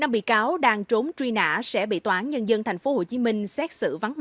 năm bị cáo đang trốn truy nã sẽ bị toán nhân dân thành phố hồ chí minh xét xử vắng